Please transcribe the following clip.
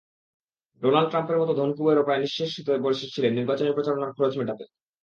Donald ট্রাম্পের মতো ধনকুবেরও প্রায় নিঃশেষ হতে বসেছিলেন নির্বাচনী প্রচারণার খরচ মেটাতে।